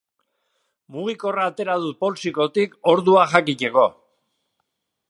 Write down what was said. Mugikorra atera dut poltsikotik ordua jakiteko.